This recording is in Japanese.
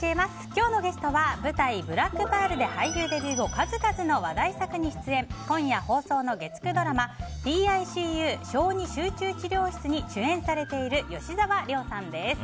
今日のゲストは舞台「ＢＬＡＣＫＰＥＡＲＬ」で俳優デビュー後数々の話題作に出演今夜放送の月９ドラマ「ＰＩＣＵ小児集中治療室」に主演されている吉沢亮さんです。